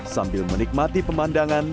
sambil menikmati pemandangan